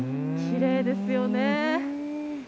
きれいですよね。